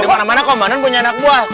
gak ada mana komandan punya anak buah